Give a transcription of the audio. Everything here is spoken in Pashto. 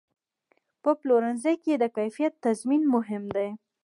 په پلورنځي کې د کیفیت تضمین مهم دی.